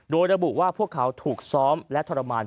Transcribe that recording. โดยระบุว่าพวกเขาถูกซ้อมและทรมาน